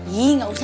iya nggak usah